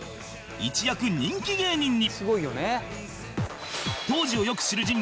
一躍人気芸人に